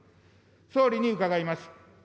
総理に伺います。